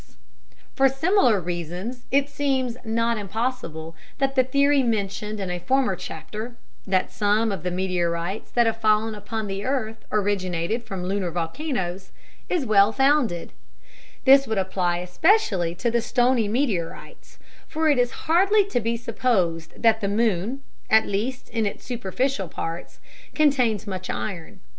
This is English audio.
[Illustration: Western part of the Mare Serenitatis] For similar reasons it seems not impossible that the theory mentioned in a former chapter—that some of the meteorites that have fallen upon the earth originated from the lunar volcanoes—is well founded. This would apply especially to the stony meteorites, for it is hardly to be supposed that the moon, at least in its superficial parts, contains much iron.